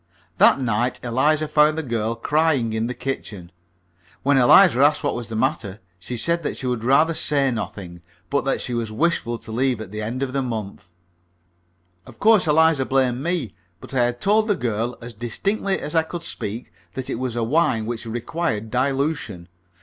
That night Eliza found the girl crying in the kitchen. When Eliza asked what was the matter, she said that she would rather say nothing, but that she was wishful to leave at the end of her month. Of course Eliza blamed me, but I had told the girl as distinctly as I could speak that it was a wine which required dilution.